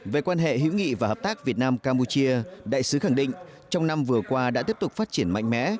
về quan hệ hữu nghị và hợp tác việt nam campuchia đại sứ khẳng định trong năm vừa qua đã tiếp tục phát triển mạnh mẽ